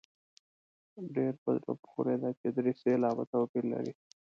ډېره په زړه پورې ده چې درې سېلابه توپیر لري.